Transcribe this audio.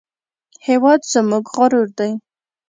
هېواد زموږ غرور دی